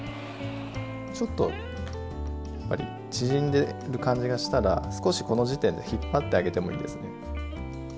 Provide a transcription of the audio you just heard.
ちょっとやっぱり縮んでる感じがしたら少しこの時点で引っ張ってあげてもいいですね。